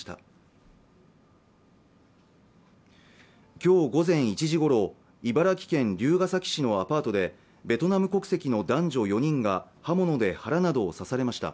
今日午前１時ごろ茨城県龍ケ崎市のアパートでベトナム国籍の男女４人が刃物で腹などを刺されました